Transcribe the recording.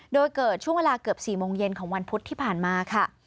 โดยเกิดช่วงเวลาเกือบ๔โมงเย็นของวันพุธที่ผ่านมาค่ะ